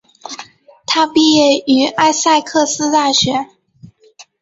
他毕业于艾塞克斯大学。